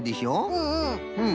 うんうん。